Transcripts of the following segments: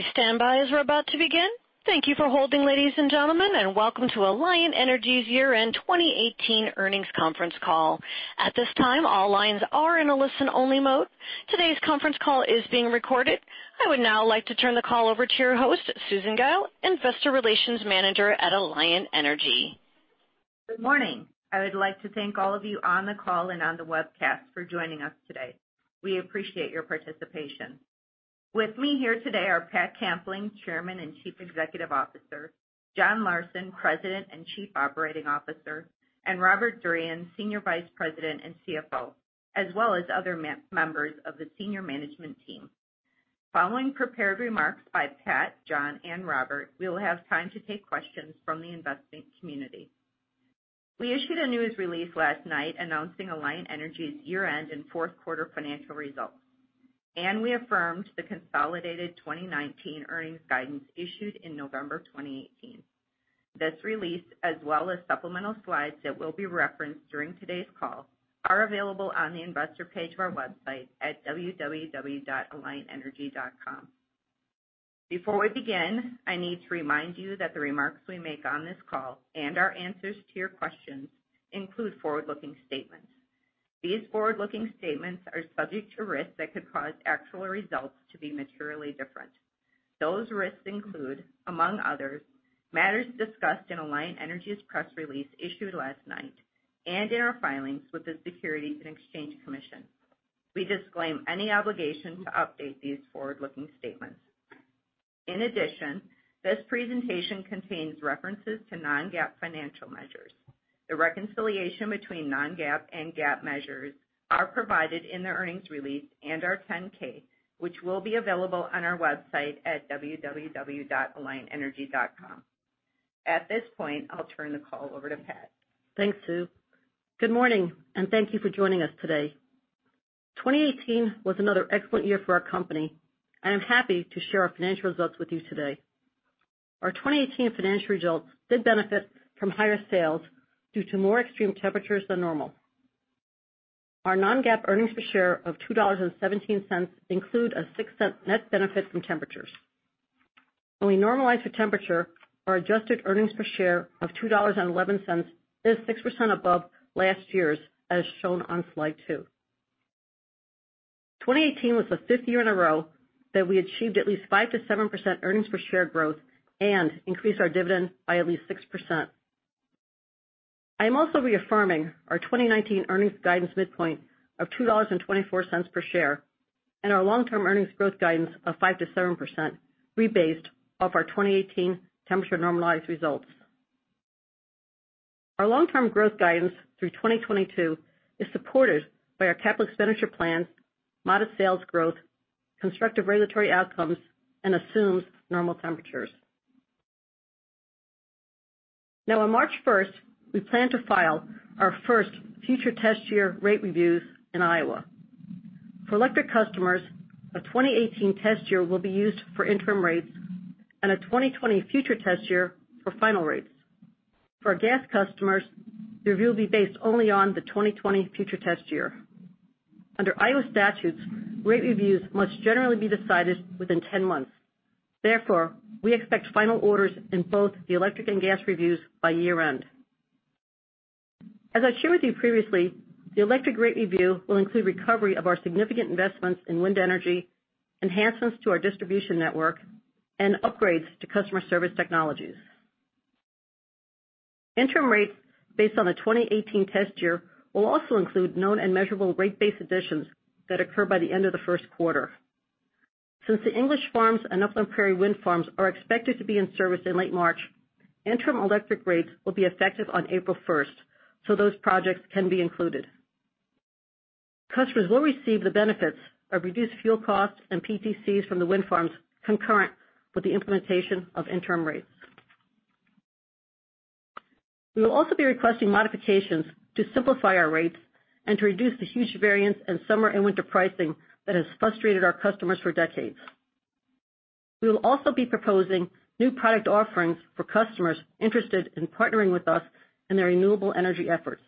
Please stand by as we're about to begin. Thank you for holding, ladies and gentlemen, and welcome to Alliant Energy's year-end 2018 earnings conference call. At this time, all lines are in a listen-only mode. Today's conference call is being recorded. I would now like to turn the call over to your host, Susan Gille, Investor Relations Manager at Alliant Energy. Good morning. I would like to thank all of you on the call and on the webcast for joining us today. We appreciate your participation. With me here today are Pat Kampling, Chairman and Chief Executive Officer, John Larsen, President and Chief Operating Officer, and Robert Durian, Senior Vice President and CFO, as well as other members of the senior management team. Following prepared remarks by Pat, John, and Robert, we will have time to take questions from the investment community. We issued a news release last night announcing Alliant Energy's year-end and fourth quarter financial results, and we affirmed the consolidated 2019 earnings guidance issued in November 2018. This release, as well as supplemental slides that will be referenced during today's call, are available on the investor page of our website at www.alliantenergy.com. Before we begin, I need to remind you that the remarks we make on this call and our answers to your questions include forward-looking statements. These forward-looking statements are subject to risks that could cause actual results to be materially different. Those risks include, among others, matters discussed in Alliant Energy's press release issued last night and in our filings with the Securities and Exchange Commission. We disclaim any obligation to update these forward-looking statements. In addition, this presentation contains references to non-GAAP financial measures. The reconciliation between non-GAAP and GAAP measures are provided in the earnings release and our 10-K, which will be available on our website at www.alliantenergy.com. At this point, I'll turn the call over to Pat. Thanks, Sue. Good morning, and thank you for joining us today. 2018 was another excellent year for our company. I am happy to share our financial results with you today. Our 2018 financial results did benefit from higher sales due to more extreme temperatures than normal. Our non-GAAP earnings per share of $2.17 include a $0.06 net benefit from temperatures. When we normalize the temperature, our adjusted earnings per share of $2.11 is 6% above last year's, as shown on slide two. 2018 was the fifth year in a row that we achieved at least 5%-7% earnings per share growth and increased our dividend by at least 6%. I am also reaffirming our 2019 earnings guidance midpoint of $2.24 per share and our long-term earnings growth guidance of 5%-7%, rebased off our 2018 temperature-normalized results. Our long-term growth guidance through 2022 is supported by our capital expenditure plans, modest sales growth, constructive regulatory outcomes, and assumes normal temperatures. On March 1st, we plan to file our first future test year rate reviews in Iowa. For electric customers, a 2018 test year will be used for interim rates and a 2020 future test year for final rates. For gas customers, the review will be based only on the 2020 future test year. Under Iowa statutes, rate reviews must generally be decided within 10 months. Therefore, we expect final orders in both the electric and gas reviews by year-end. As I shared with you previously, the electric rate review will include recovery of our significant investments in wind energy, enhancements to our distribution network, and upgrades to customer service technologies. Interim rates based on the 2018 test year will also include known and measurable rate base additions that occur by the end of the first quarter. Since the English Farms and Upland Prairie Wind Farms are expected to be in service in late March, interim electric rates will be effective on April 1st, so those projects can be included. Customers will receive the benefits of reduced fuel costs and PTCs from the wind farms concurrent with the implementation of interim rates. We will also be requesting modifications to simplify our rates and to reduce the huge variance in summer and winter pricing that has frustrated our customers for decades. We will also be proposing new product offerings for customers interested in partnering with us in their renewable energy efforts.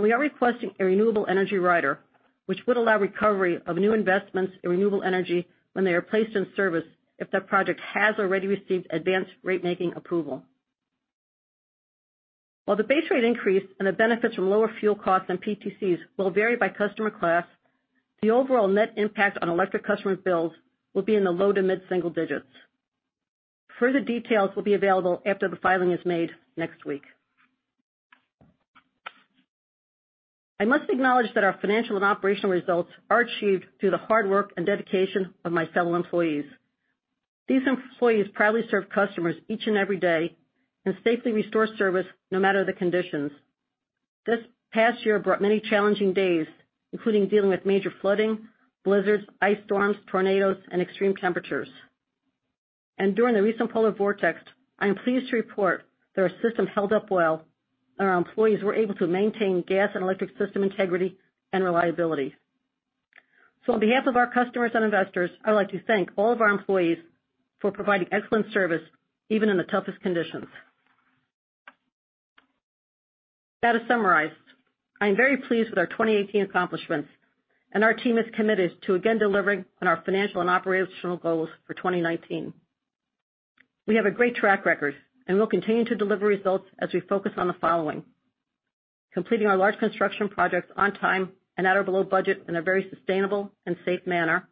We are requesting a renewable energy rider, which would allow recovery of new investments in renewable energy when they are placed in service if that project has already received advanced rate-making approval. While the base rate increase and the benefits from lower fuel costs and PTCs will vary by customer class, the overall net impact on electric customers' bills will be in the low to mid-single digits. Further details will be available after the filing is made next week. I must acknowledge that our financial and operational results are achieved through the hard work and dedication of my fellow employees. These employees proudly serve customers each and every day and safely restore service no matter the conditions. This past year brought many challenging days, including dealing with major flooding, blizzards, ice storms, tornadoes, and extreme temperatures. During the recent polar vortex, I am pleased to report that our system held up well, and our employees were able to maintain gas and electric system integrity and reliability. On behalf of our customers and investors, I would like to thank all of our employees for providing excellent service, even in the toughest conditions. That is summarized. I am very pleased with our 2018 accomplishments. Our team is committed to again delivering on our financial and operational goals for 2019. We have a great track record, we'll continue to deliver results as we focus on the following: completing our large construction projects on time and at or below budget in a very sustainable and safe manner,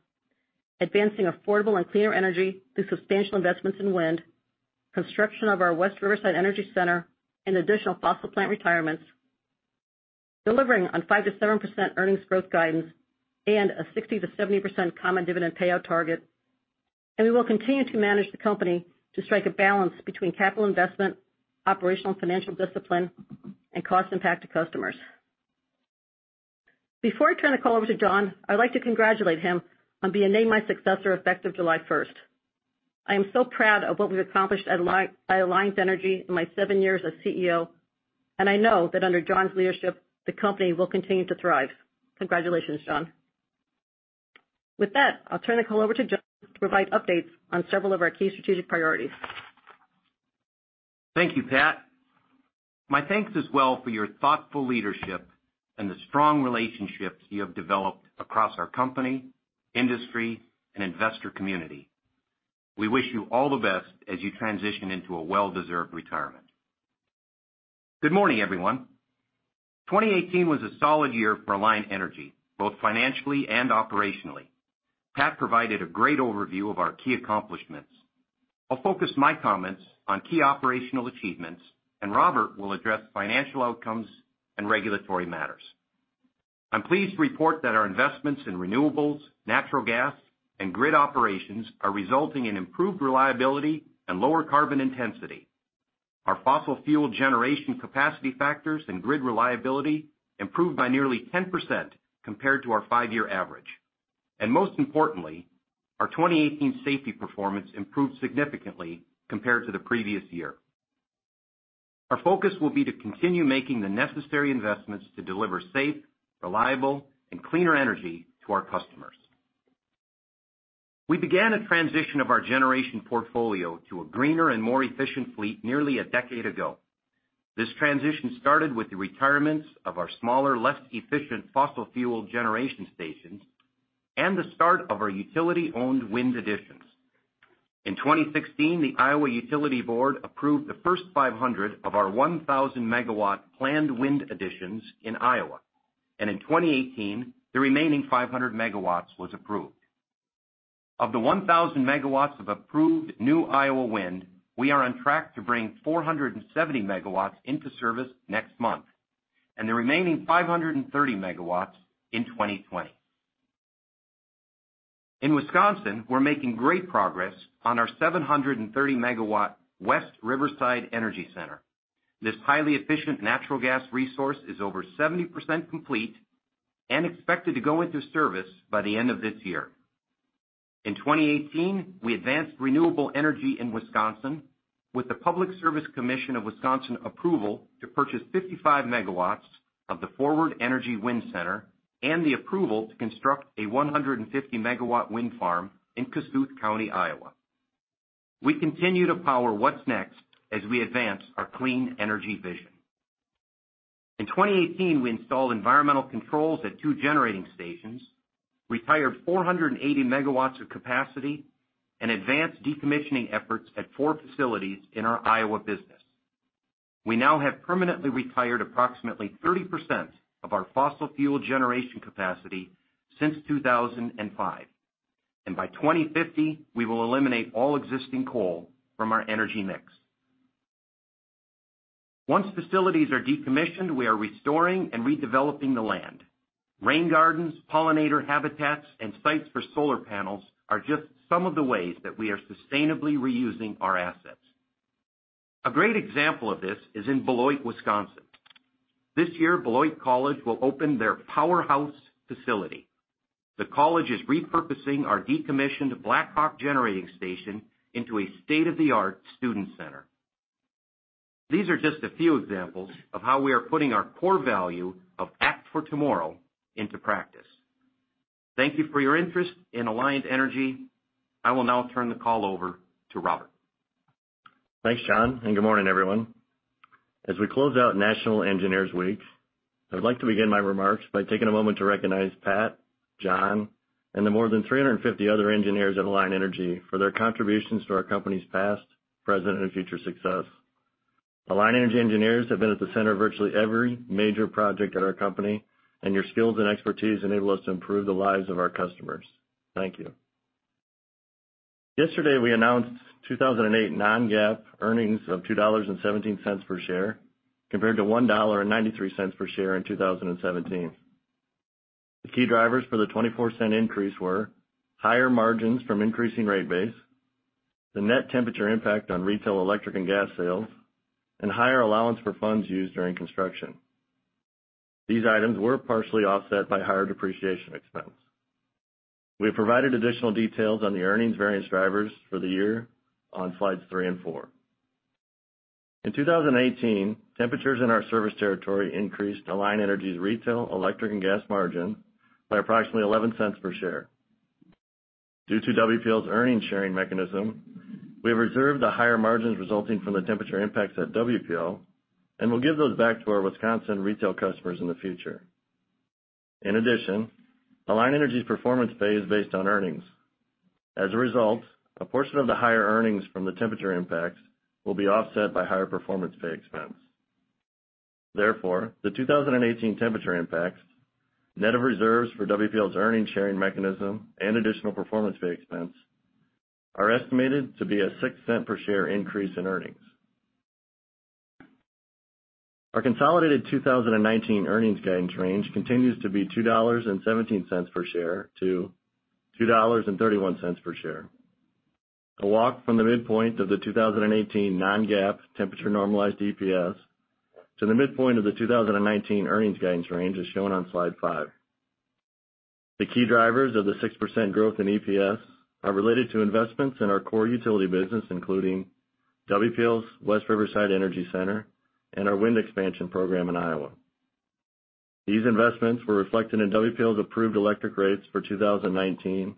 advancing affordable and cleaner energy through substantial investments in wind, construction of our West Riverside Energy Center and additional fossil plant retirements, delivering on 5%-7% earnings growth guidance, and a 60%-70% common dividend payout target. We will continue to manage the company to strike a balance between capital investment, operational financial discipline, and cost impact to customers. Before I turn the call over to John, I'd like to congratulate him on being named my successor effective July 1st. I am so proud of what we've accomplished at Alliant Energy in my seven years as CEO, and I know that under John's leadership, the company will continue to thrive. Congratulations, John. With that, I'll turn the call over to John to provide updates on several of our key strategic priorities. Thank you, Pat. My thanks as well for your thoughtful leadership and the strong relationships you have developed across our company, industry, and investor community. We wish you all the best as you transition into a well-deserved retirement. Good morning, everyone. 2018 was a solid year for Alliant Energy, both financially and operationally. Pat provided a great overview of our key accomplishments. I'll focus my comments on key operational achievements, and Robert will address financial outcomes and regulatory matters. I'm pleased to report that our investments in renewables, natural gas, and grid operations are resulting in improved reliability and lower carbon intensity. Our fossil fuel generation capacity factors and grid reliability improved by nearly 10% compared to our five-year average. Most importantly, our 2018 safety performance improved significantly compared to the previous year. Our focus will be to continue making the necessary investments to deliver safe, reliable, and cleaner energy to our customers. We began a transition of our generation portfolio to a greener and more efficient fleet nearly a decade ago. This transition started with the retirements of our smaller, less efficient fossil fuel generation stations and the start of our utility-owned wind additions. In 2016, the Iowa Utilities Board approved the first 500 of our 1,000 MW planned wind additions in Iowa. In 2018, the remaining 500 MW was approved. Of the 1,000 MW of approved new Iowa wind, we are on track to bring 470 MW into service next month, and the remaining 530 MW in 2020. In Wisconsin, we're making great progress on our 730 MW West Riverside Energy Center. This highly efficient natural gas resource is over 70% complete and expected to go into service by the end of this year. In 2018, we advanced renewable energy in Wisconsin with the Public Service Commission of Wisconsin approval to purchase 55 MW of the Forward Energy Wind Center and the approval to construct a 150 MW wind farm in Kossuth County, Iowa. We continue to power what's next as we advance our clean energy vision. In 2018, we installed environmental controls at two generating stations, retired 480 MW of capacity, and advanced decommissioning efforts at four facilities in our Iowa business. We now have permanently retired approximately 30% of our fossil fuel generation capacity since 2005. By 2050, we will eliminate all existing coal from our energy mix. Once facilities are decommissioned, we are restoring and redeveloping the land. Rain gardens, pollinator habitats, and sites for solar panels are just some of the ways that we are sustainably reusing our assets. A great example of this is in Beloit, Wisconsin. This year, Beloit College will open their Powerhouse Facility. The college is repurposing our decommissioned Blackhawk Generating Station into a state-of-the-art student center. These are just a few examples of how we are putting our core value of act for tomorrow into practice. Thank you for your interest in Alliant Energy. I will now turn the call over to Robert. Thanks, John, and good morning, everyone. As we close out National Engineers Week, I would like to begin my remarks by taking a moment to recognize Pat, John, and the more than 350 other engineers at Alliant Energy for their contributions to our company's past, present, and future success. Alliant Energy engineers have been at the center of virtually every major project at our company, and your skills and expertise enable us to improve the lives of our customers. Thank you. Yesterday, we announced 2018 non-GAAP earnings of $2.17 per share, compared to $1.93 per share in 2017. The key drivers for the $0.24 increase were higher margins from increasing rate base, the net temperature impact on retail electric and gas sales, and higher allowance for funds used during construction. These items were partially offset by higher depreciation expense. We have provided additional details on the earnings variance drivers for the year on slides three and four. In 2018, temperatures in our service territory increased Alliant Energy's retail electric and gas margin by approximately $0.11 per share. Due to WPL's earnings sharing mechanism, we have reserved the higher margins resulting from the temperature impacts at WPL, and we'll give those back to our Wisconsin retail customers in the future. In addition, Alliant Energy's performance pay is based on earnings. As a result, a portion of the higher earnings from the temperature impacts will be offset by higher performance pay expense. Therefore, the 2018 temperature impacts, net of reserves for WPL's earnings sharing mechanism and additional performance pay expense, are estimated to be a $0.06 per share increase in earnings. Our consolidated 2019 earnings guidance range continues to be $2.17 per share to $2.31 per share. The walk from the midpoint of the 2018 non-GAAP temperature normalized EPS to the midpoint of the 2019 earnings guidance range is shown on slide five. The key drivers of the 6% growth in EPS are related to investments in our core utility business, including WPL's West Riverside Energy Center and our wind expansion program in Iowa. These investments were reflected in WPL's approved electric rates for 2019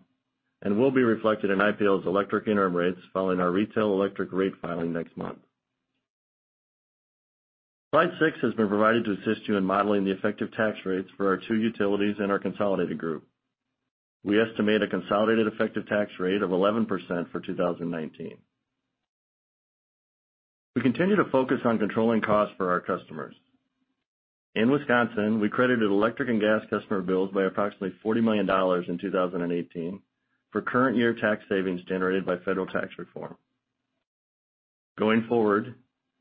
and will be reflected in IPL's electric interim rates following our retail electric rate filing next month. Slide six has been provided to assist you in modeling the effective tax rates for our two utilities and our consolidated group. We estimate a consolidated effective tax rate of 11% for 2019. We continue to focus on controlling costs for our customers. In Wisconsin, we credited electric and gas customer bills by approximately $40 million in 2018 for current year tax savings generated by federal tax reform. Going forward,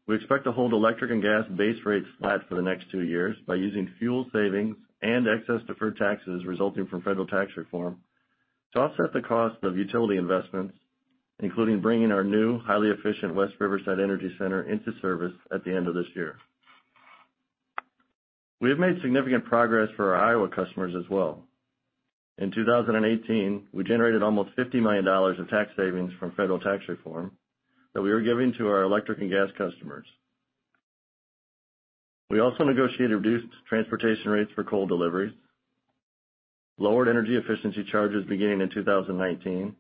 we expect to hold electric and gas base rates flat for the next two years by using fuel savings and excess deferred taxes resulting from federal tax reform to offset the cost of utility investments, including bringing our new highly efficient West Riverside Energy Center into service at the end of this year. We have made significant progress for our Iowa customers as well. In 2018, we generated almost $50 million of tax savings from federal tax reform that we are giving to our electric and gas customers. We also negotiated reduced transportation rates for coal deliveries, lowered energy efficiency charges beginning in 2019,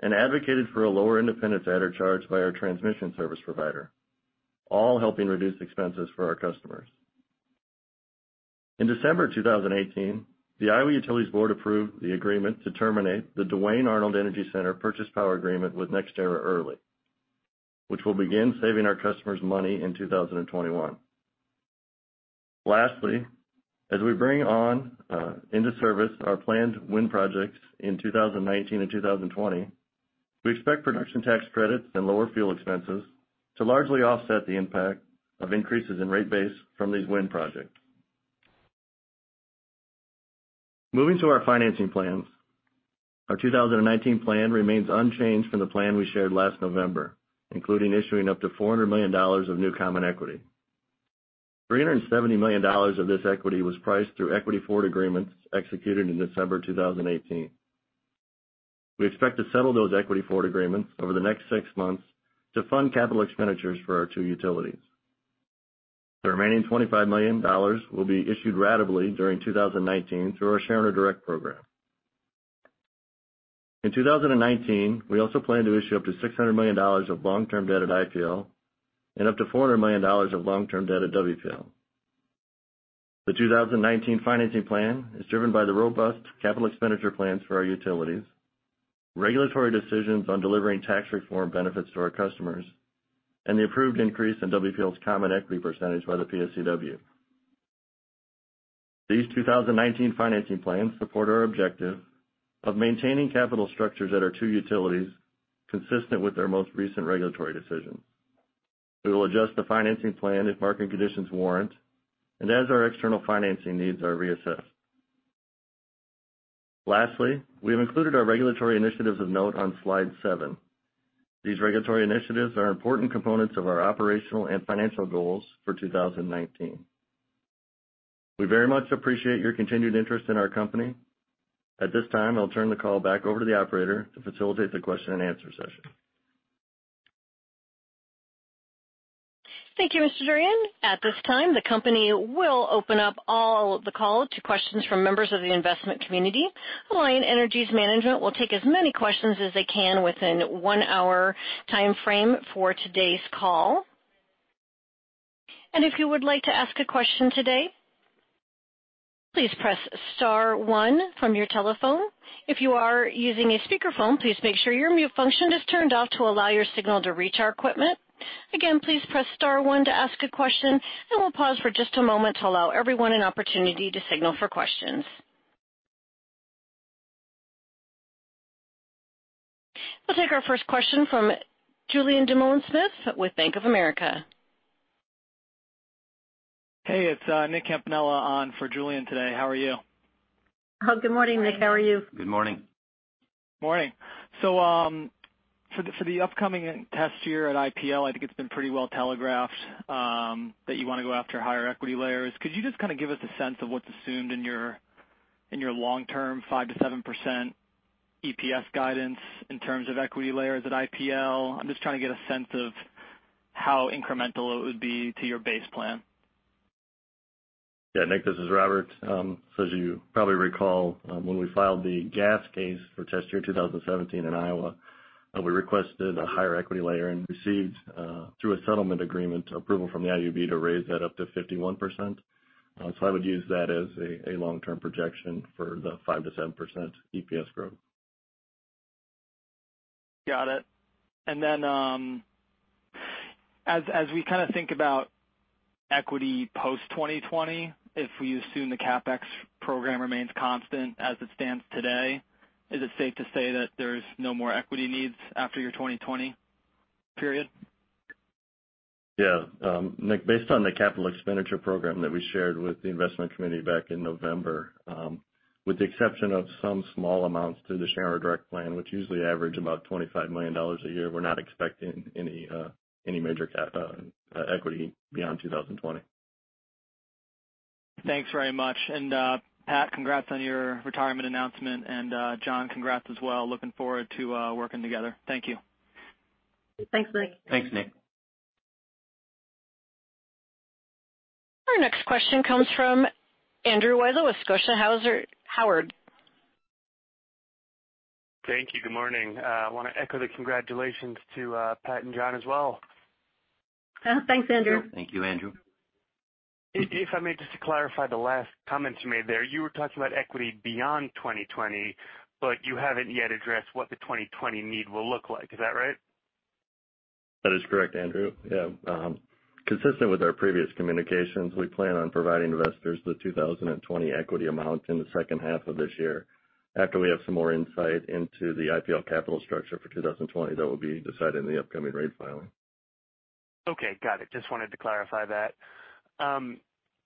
and advocated for a lower independent adder charge by our transmission service provider, all helping reduce expenses for our customers. In December 2018, the Iowa Utilities Board approved the agreement to terminate the Duane Arnold Energy Center purchase power agreement with NextEra early, which will begin saving our customers money in 2021. Lastly, as we bring on into service our planned wind projects in 2019 and 2020, we expect production tax credits and lower fuel expenses to largely offset the impact of increases in rate base from these wind projects. Moving to our financing plans, our 2019 plan remains unchanged from the plan we shared last November, including issuing up to $400 million of new common equity. $370 million of this equity was priced through equity forward agreements executed in December 2018. We expect to settle those equity forward agreements over the next six months to fund capital expenditures for our two utilities. The remaining $25 million will be issued ratably during 2019 through our Shareholder Direct Program. In 2019, we also plan to issue up to $600 million of long-term debt at IPL and up to $400 million of long-term debt at WPL. The 2019 financing plan is driven by the robust capital expenditure plans for our utilities, regulatory decisions on delivering tax reform benefits to our customers, and the approved increase in WPL's common equity percentage by the PSCW. These 2019 financing plans support our objective of maintaining capital structures at our two utilities consistent with their most recent regulatory decisions. We will adjust the financing plan if market conditions warrant and as our external financing needs are reassessed. Lastly, we have included our regulatory initiatives of note on slide seven. These regulatory initiatives are important components of our operational and financial goals for 2019. We very much appreciate your continued interest in our company. At this time, I'll turn the call back over to the operator to facilitate the question and answer session. Thank you, Mr. Durian. At this time, the company will open up all the call to questions from members of the investment community. Alliant Energy's management will take as many questions as they can within one-hour time frame for today's call. If you would like to ask a question today, please press star one from your telephone. If you are using a speakerphone, please make sure your mute function is turned off to allow your signal to reach our equipment. Again, please press star one to ask a question, and we'll pause for just a moment to allow everyone an opportunity to signal for questions. We'll take our first question from Julien Dumoulin-Smith with Bank of America. Hey, it's Nick Campanella on for Julian today. How are you? Good morning, Nick. How are you? Good morning. Morning. For the upcoming test year at IPL, I think it's been pretty well telegraphed that you want to go after higher equity layers. Could you just kind of give us a sense of what's assumed in your long-term 5%-7% EPS guidance in terms of equity layers at IPL? I'm just trying to get a sense of how incremental it would be to your base plan. Yeah, Nick, this is Robert. As you probably recall, when we filed the gas case for test year 2017 in Iowa, we requested a higher equity layer and received, through a settlement agreement, approval from the IUB to raise that up to 51%. I would use that as a long-term projection for the 5%-7% EPS growth. Got it. Then, as we think about equity post 2020, if we assume the CapEx program remains constant as it stands today, is it safe to say that there's no more equity needs after your 2020 period? Yeah. Nick, based on the capital expenditure program that we shared with the investment committee back in November, with the exception of some small amounts through the Shareowner Direct Plan, which usually average about $25 million a year, we're not expecting any major equity beyond 2020. Thanks very much. Pat, congrats on your retirement announcement. John, congrats as well. Looking forward to working together. Thank you. Thanks, Nick. Thanks, Nick. Our next question comes from Andrew Weisel with Scotia Howard. Thank you. Good morning. I want to echo the congratulations to Pat and John as well. Thanks, Andrew. Thank you, Andrew. If I may, just to clarify the last comments you made there, you were talking about equity beyond 2020, but you haven't yet addressed what the 2020 need will look like. Is that right? That is correct, Andrew. Yeah. Consistent with our previous communications, we plan on providing investors the 2020 equity amount in the second half of this year. After we have some more insight into the IPL capital structure for 2020 that will be decided in the upcoming rate filing. Okay, got it. Just wanted to clarify that.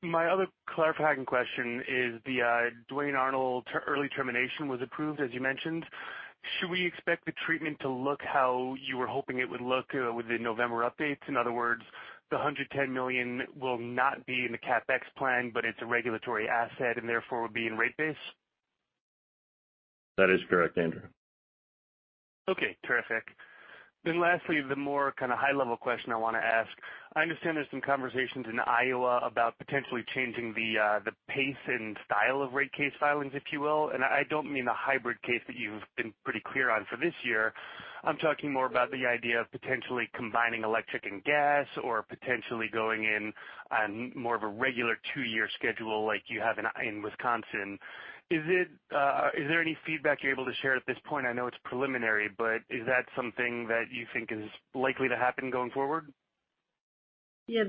My other clarifying question is the Duane Arnold early termination was approved, as you mentioned. Should we expect the treatment to look how you were hoping it would look with the November updates? In other words, the $110 million will not be in the CapEx plan, but it's a regulatory asset and therefore will be in rate base? That is correct, Andrew. Okay, terrific. Lastly, the more kind of high level question I want to ask. I understand there's some conversations in Iowa about potentially changing the pace and style of rate case filings, if you will. I don't mean the hybrid case that you've been pretty clear on for this year. I'm talking more about the idea of potentially combining electric and gas or potentially going in on more of a regular two-year schedule like you have in Wisconsin. Is there any feedback you're able to share at this point? I know it's preliminary, but is that something that you think is likely to happen going forward? Yeah.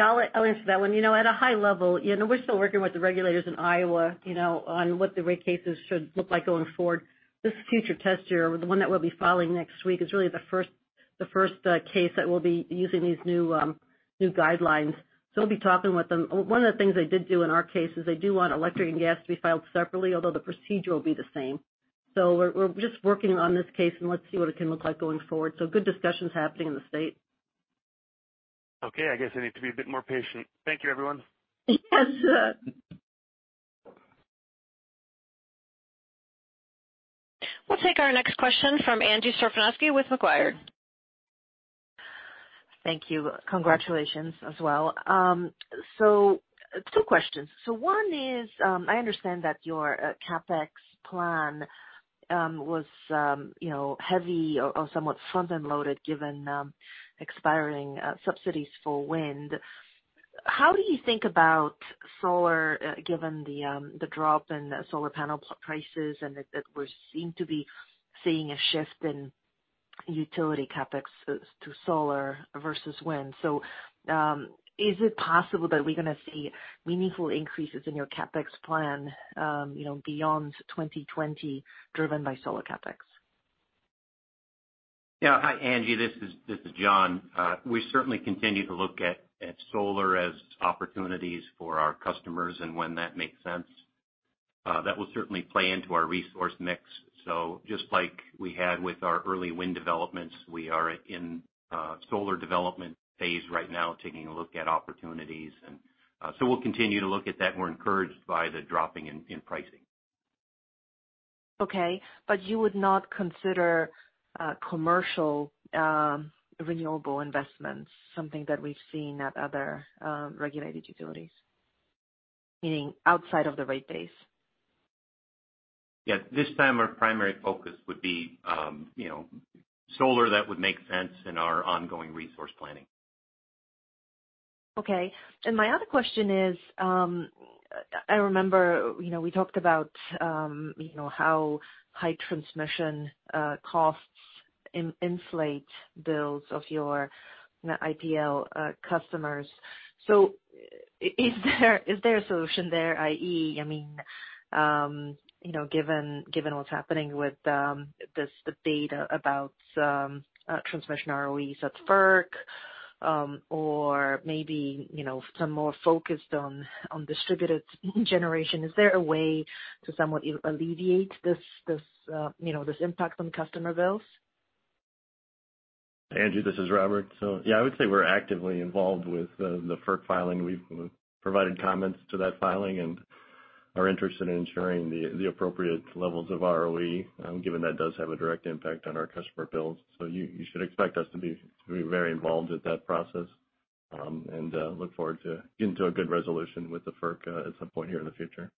I'll answer that one. At a high level, we're still working with the regulators in Iowa, on what the rate cases should look like going forward. This future test year, the one that we'll be filing next week, is really the first case that we'll be using these new guidelines. We'll be talking with them. One of the things they did do in our case is they do want electric and gas to be filed separately, although the procedure will be the same. We're just working on this case, and let's see what it can look like going forward. Good discussions happening in the state. Okay. I guess I need to be a bit more patient. Thank you, everyone. Yes. We'll take our next question from Angie Storozynski with Macquarie. Thank you. Congratulations as well. Two questions. One is, I understand that your CapEx plan was heavy or somewhat front-end loaded given expiring subsidies for wind. How do you think about solar, given the drop in solar panel prices and that we seem to be seeing a shift in utility CapEx to solar versus wind? Is it possible that we're going to see meaningful increases in your CapEx plan beyond 2020 driven by solar CapEx? Yeah. Hi, Angie, this is John. We certainly continue to look at solar as opportunities for our customers and when that makes sense. That will certainly play into our resource mix. Just like we had with our early wind developments, we are in solar development phase right now, taking a look at opportunities. We'll continue to look at that. We're encouraged by the dropping in pricing. Okay. You would not consider commercial renewable investments, something that we've seen at other regulated utilities, meaning outside of the rate base? Yeah. At this time, our primary focus would be solar that would make sense in our ongoing resource planning. Okay. My other question is, I remember we talked about how high transmission costs inflate bills of your IPL customers. Is there a solution there, i.e., given what's happening with the data about transmission ROEs at FERC, or maybe some more focused on distributed generation, is there a way to somewhat alleviate this impact on customer bills? Angie, this is Robert. Yeah, I would say we're actively involved with the FERC filing. We've provided comments to that filing, and are interested in ensuring the appropriate levels of ROE, given that does have a direct impact on our customer bills. You should expect us to be very involved with that process, and look forward to getting to a good resolution with the FERC at some point here in the future.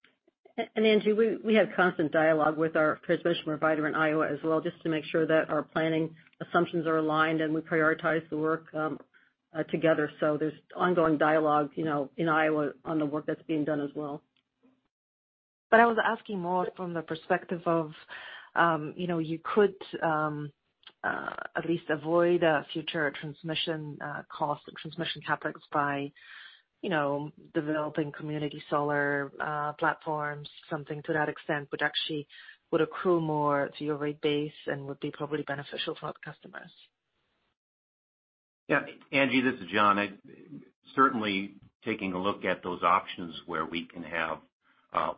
Angie, we have constant dialogue with our transmission provider in Iowa as well, just to make sure that our planning assumptions are aligned and we prioritize the work together. There's ongoing dialogue in Iowa on the work that's being done as well. I was asking more from the perspective of, you could at least avoid a future transmission cost and transmission CapEx by developing community solar platforms, something to that extent, which actually would accrue more to your rate base and would be probably beneficial to our customers. Angie, this is John. Certainly, taking a look at those options where we can have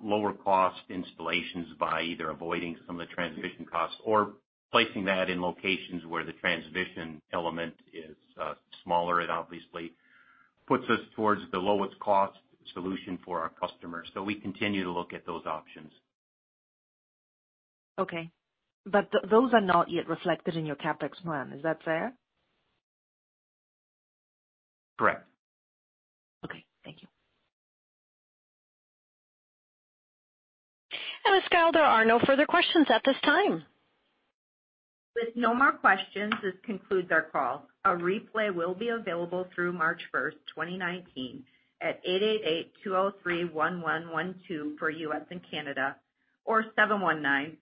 lower-cost installations by either avoiding some of the transmission costs or placing that in locations where the transmission element is smaller. It obviously puts us towards the lowest-cost solution for our customers. We continue to look at those options. Those are not yet reflected in your CapEx plan. Is that fair? Correct. Okay, thank you. Ms. Gille, there are no further questions at this time. With no more questions, this concludes our call. A replay will be available through March 1, 2019 at 888-203-1112 for U.S. and Canada, or 719-457-0820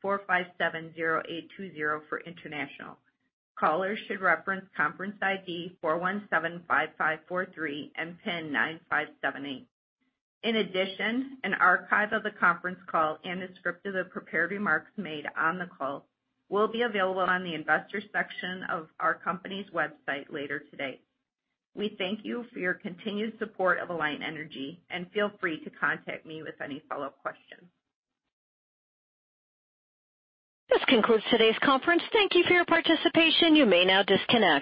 for international. Callers should reference conference ID 4175543 and PIN 9578. In addition, an archive of the conference call and a script of the prepared remarks made on the call will be available on the Investors section of our company's website later today. We thank you for your continued support of Alliant Energy, and feel free to contact me with any follow-up questions. This concludes today's conference. Thank you for your participation. You may now disconnect.